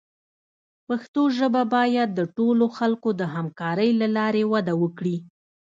پښتو ژبه باید د ټولو خلکو د همکارۍ له لارې وده وکړي.